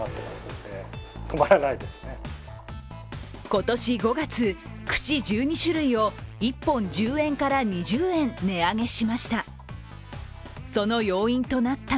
今年４月、串１２種類を１本１０円から２０円値上げしました。